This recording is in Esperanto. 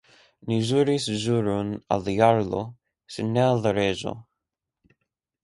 Ni ĵuris ĵuron al la jarlo, sed ne al la reĝo.